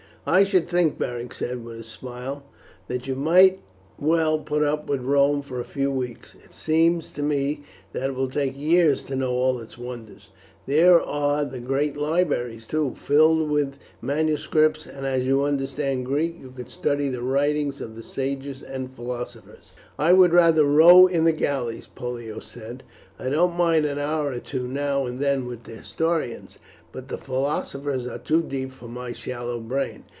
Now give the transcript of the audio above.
"I should think," Beric said with a smile, "that you might well put up with Rome for a few weeks. It seems to me that it will take years to know all its wonders. There are the great libraries, too, filled with the manuscripts, and as you understand Greek you could study the writings of the sages and philosophers." "I would rather row in the galleys," Pollio said. "I don't mind an hour or two now and then with the historians, but the philosophers are too deep for my shallow brain.